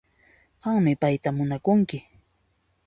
Qanmi payta munakunki